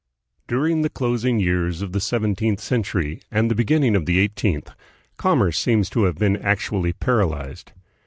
During the closing years of the seventeenth century and the beginning of the eighteenth, commerce seems to have been actually paralyzed.